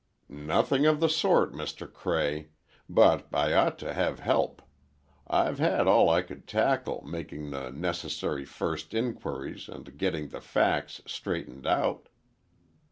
"Nothing of the sort, Mr. Cray. But I ought to have help. I've had all I could tackle, making the necessary first inquiries, and getting the facts straightened out."